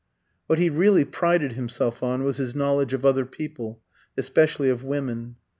What he really prided himself on was his knowledge of other people, especially of women.